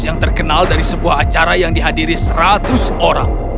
yang terkenal dari sebuah acara yang dihadiri seratus orang